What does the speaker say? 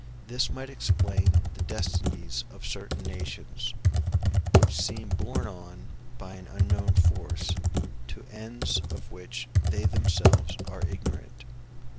This might explain the destinies of certain nations, which seem borne on by an unknown force to ends of which they themselves are ignorant.